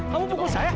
kamu pukul saya